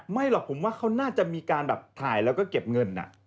หรอกผมว่าเขาน่าจะมีการแบบถ่ายแล้วก็เก็บเงิน